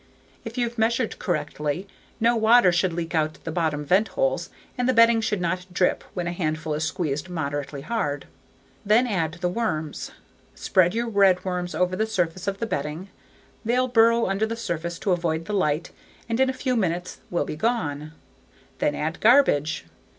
If you've measured correctly no water should leak out the bottom vent holes and the bedding should not drip when a handful is squeezed moderately hard. Then add the worms. Spread your redworms over the surface of the bedding. They'll burrow under the surface to avoid the light and in a few minutes will be gone. Then add garbage.